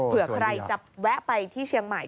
เผื่อใครจะแวะไปที่เชียงใหม่